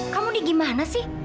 kamu ini gimana sih